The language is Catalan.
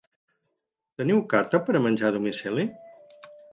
Teniu carta per a menjar a domicili?